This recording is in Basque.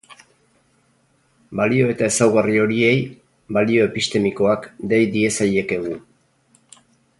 Balio eta ezaugarri horiei balio epistemikoak dei diezaiekegu.